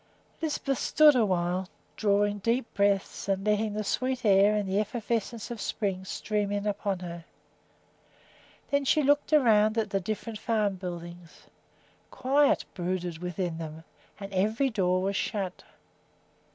Lisbeth stood still awhile, drawing deep breaths and letting the sweet air and the effervescence of spring stream in upon her. Then she looked around at the different farm buildings. Quiet brooded within them and every door was shut.